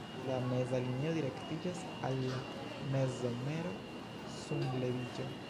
La meza linio direktiĝas al la mezsomero-sunleviĝo.